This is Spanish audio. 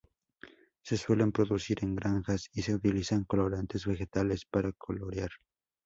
Se suelen producir en granjas y se utilizan colorantes vegetales para colorear.